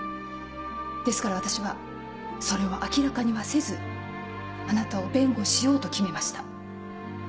ですから私はそれを明らかにはせずあなたを弁護しようと決めました。